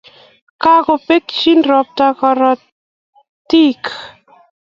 Kokobetchi ropta karatiek